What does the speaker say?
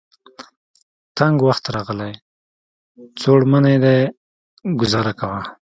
تنګ وخت راغلی. څوړ منی دی ګذاره کوه.